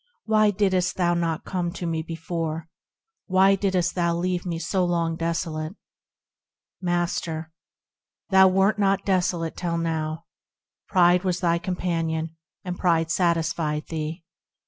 Why didst thou not come to me before ? Why didst thou leave me so long desolate ? Master. Thou wert not desolate till now; Pride was thy companion, and pride satisfied thee.